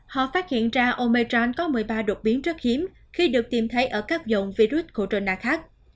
họ phát hiện ra omejan có một mươi ba đột biến rất hiếm khi được tìm thấy ở các dòng virus corona khác